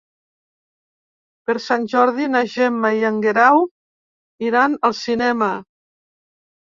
Per Sant Jordi na Gemma i en Guerau iran al cinema.